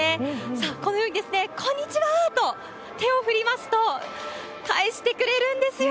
さあ、このように、こんにちはと手を振りますと、返してくれるんですよ。